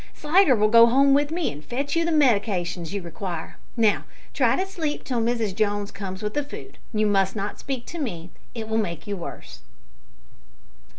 Slidder will go home with me and fetch you the medicines you require. Now, try to sleep till Mrs Jones comes with the food. You must not speak to me. It will make you worse."